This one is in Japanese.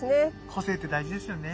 個性って大事ですよね。